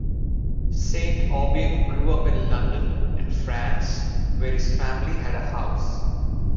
Saint Aubyn grew up in London and France, where his family had a house.